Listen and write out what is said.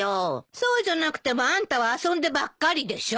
そうじゃなくてもあんたは遊んでばっかりでしょ？